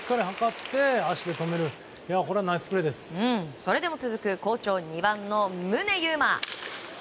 それでも続く好調、２番の宗佑磨。